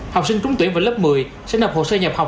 học sinh trúng tuyển vào lớp một mươi sẽ nộp hồ sơ nhập học